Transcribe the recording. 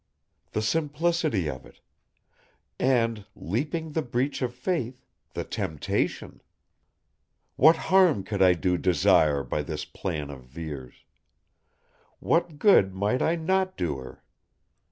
The simplicity of it! And, leaping the breach of faith, the temptation! What harm could I do Desire by this plan of Vere's? What good might I not do her?